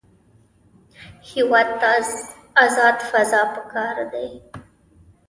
هېواد ته ازاد قضا پکار دی